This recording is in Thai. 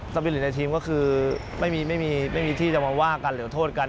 สะพานิดในทีมก็คือไม่มีที่จะมาว่ากันหรือโทษกัน